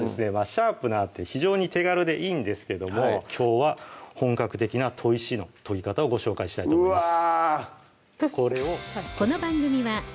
シャープナーって非常に手軽でいいんですけどもきょうは本格的な砥石の研ぎ方をご紹介したいと思います